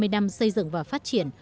ba mươi năm xây dựng và phát triển